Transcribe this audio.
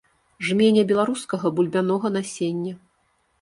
Жменя беларускага бульбянога насення!